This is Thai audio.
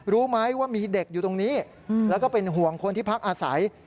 รู้ไหมว่ามีเด็กอยู่ตรงนี้แล้วก็เป็นห่วงคนที่พักอาศัย